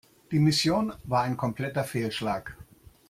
Die Mission war ein kompletter Fehlschlag.